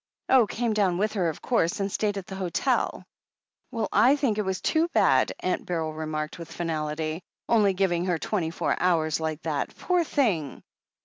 "Oh, came down with her, of course, and stayed at the hotel." "Well, I think it was too bad," Aunt Beryl remarked with finality. "Only giving her twenty four hours like that, poor thing."